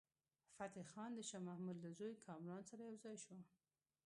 فتح خان د شاه محمود له زوی کامران سره یو ځای شو.